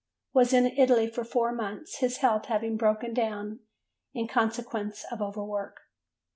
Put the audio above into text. Was in Italy for four months, his health having broken down in consequence of over work.